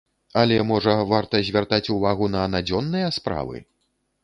Але, можа, варта, звяртаць увагу на надзённыя справы?